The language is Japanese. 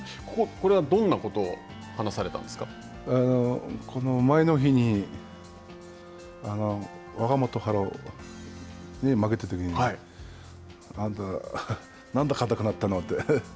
これはどんなことを話されたんでこの前の日に若元春に負けたときに、あなた、なんでかたくなったのって。